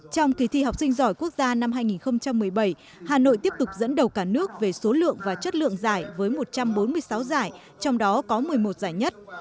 trong kỳ thi học sinh giỏi quốc gia năm hai nghìn một mươi bảy hà nội tiếp tục dẫn đầu cả nước về số lượng và chất lượng giải với một trăm bốn mươi sáu giải trong đó có một mươi một giải nhất